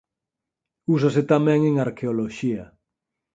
Úsase tamén en arqueoloxía.